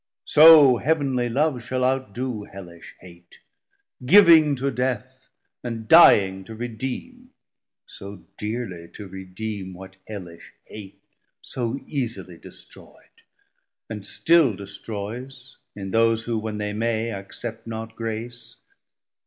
So Heav'nly love shal outdoo Hellish hate, Giving to death, and dying to redeeme, So dearly to redeem what Hellish hate 300 So easily destroy'd, and still destroyes In those who, when they may, accept not grace.